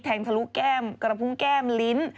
ทะลุแก้มกระพุงแก้มลิ้น